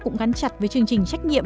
cũng gắn chặt với chương trình trách nhiệm